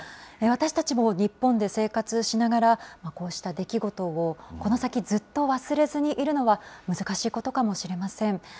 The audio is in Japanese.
私たちも日本で生活しながら、こうした出来事をこの先、ずっと忘れずにいるのは難しいことかもしれません。